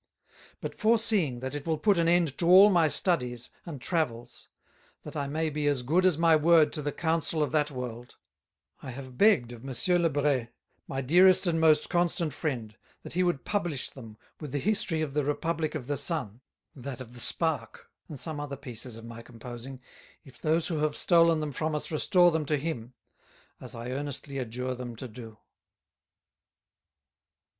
But foreseeing, that it will put an end to all my Studies, and Travels; that I may be as good as my word to the Council of that World; I have begg'd of Monsieur le Bret, my dearest and most constant Friend, that he would publish them with the History of the Republick of the Sun, that of the Spark, and some other Pieces of my Composing, if those who have Stolen them from us restore them to him, as I earnestly adjure them to do.